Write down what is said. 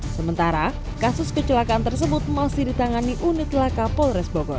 sementara kasus kecelakaan tersebut masih ditangani unit laka polres bogor